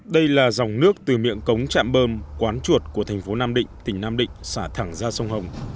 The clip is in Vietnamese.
đây là dòng nước từ miệng cống chạm bơm quán chuột của thành phố nam định tỉnh nam định xả thẳng ra sông hồng